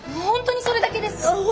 本当にそれだけですか？